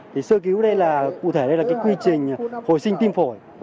thì sơ cứu đây là cụ thể đây là cái quy trình hồi sinh tim phổi